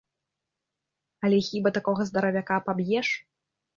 Але хіба такога здаравяка паб'еш?